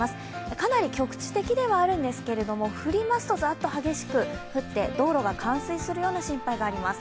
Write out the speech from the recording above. かなり局地的ではあるんですが、降りますと、ザッと激しく降って道路が冠水するような心配があります。